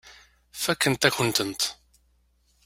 Fakkent-akent-tent.